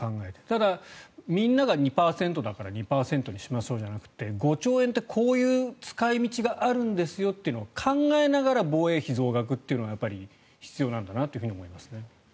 ただ、みんなが２％だから２％にしましょうじゃなくて５兆円ってこういう使い道があるんですよというのを考えながら防衛費増額というのは必要なんだなと思いますね。